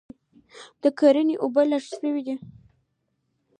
د کرني اوبه لږ سوي دي